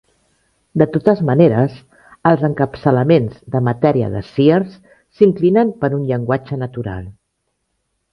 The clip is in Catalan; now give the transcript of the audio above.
De totes maneres, els encapçalaments de matèria de Sears s'inclinen per un llenguatge natural.